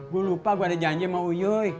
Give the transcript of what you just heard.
gua lupa gua ada janji sama uyuy